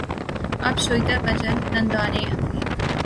اب شویتا بچن نندا نے اپنی